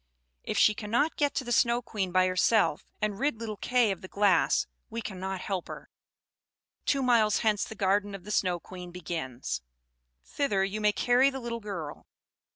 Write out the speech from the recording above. If she cannot get to the Snow Queen by herself, and rid little Kay of the glass, we cannot help her. Two miles hence the garden of the Snow Queen begins; thither you may carry the little girl.